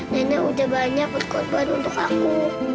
nenek udah banyak berkorban untuk aku